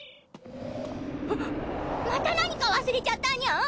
また何か忘れちゃったニャン！？